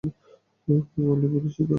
কেউ কেউ বলবে বীরোচিত।